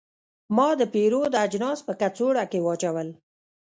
ما د پیرود اجناس په کڅوړه کې واچول.